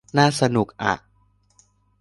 น่าจะสนุกอ่ะ